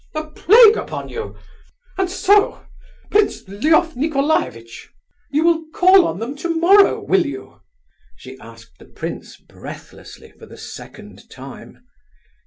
A plague upon you! And so, Prince Lef Nicolaievitch, you will call on them tomorrow, will you?" she asked the prince breathlessly, for the second time.